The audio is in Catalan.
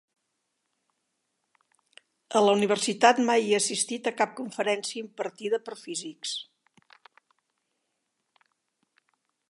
A la Universitat mai he assistit a cap conferència impartida per físics.